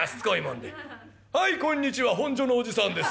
「はいこんにちは本所のおじさんです。